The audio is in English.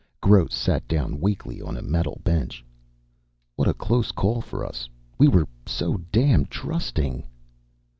Gross sat down weakly on a metal bench. "What a close call for us. We were so damn trusting."